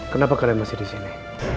kenapa kalian masih di sini